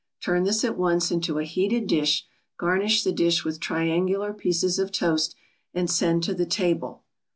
Turn this at once into a heated dish, garnish the dish with triangular pieces of toast, and send to the table.